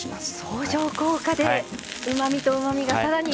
相乗効果でうまみとうまみがさらに出てくる。